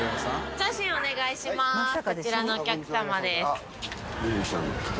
こちらのお客さまです。